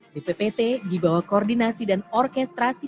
bppt dibawah koordinasi dan orkestrasi